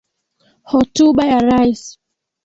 Hotuba ya rais.